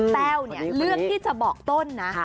แต้วเลือกที่จะบอกต้นนะ